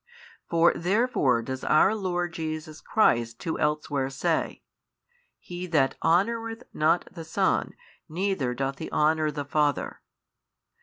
For therefore does our Lord Jesus Christ too elsewhere say, He that honoureth not the Son neither doth he honour the Father.